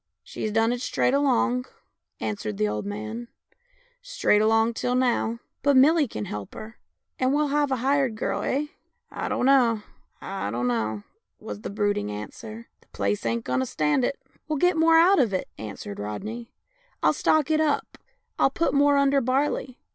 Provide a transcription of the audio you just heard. "" She's done it straight along," answered the old man, " straight along till now." " But Millie can help her, and we'll have a hired girl, eh ?"" I dunno, I dunno," was the brooding answer; " the place ain't going to stand it." " Oh, we'll get more out of it," answered Rodney. " I'll stock it up, I'll put more under barley.